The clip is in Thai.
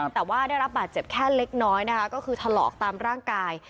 แต่ว่าได้รับบาดเจ็บแค่เล็กน้อยนะคะก็คือถลอกตามร่างกาย